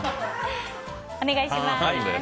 お願いします。